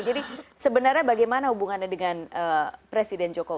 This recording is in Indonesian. jadi sebenarnya bagaimana hubungannya dengan presiden